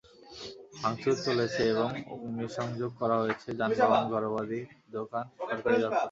ভাঙচুর চলেছে এবং অগ্নিসংযোগ করা হয়েছে যানবাহন, ঘরবাড়ি, দোকান, সরকারি দপ্তরে।